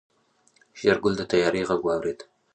شېرګل د طيارې غږ واورېد.